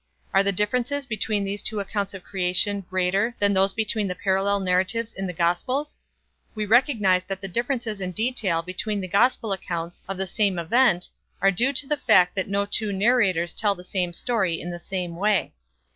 Are the differences between these two accounts of creation greater than those between the parallel narratives in the Gospels? We recognize that the differences in detail between the Gospel accounts of the same event are due to the fact that no two narrators tell the same story in the same way.